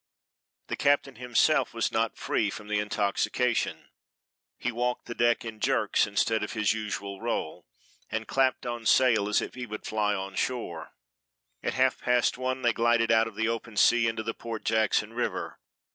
The captain himself was not free from the intoxication; he walked the deck in jerks instead of his usual roll, and clapped on sail as if he would fly on shore. At half past one they glided out of the open sea into the Port Jackson River.